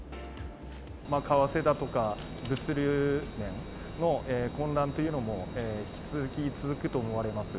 為替だとか物流面の混乱というのも、引き続き続くと思われます。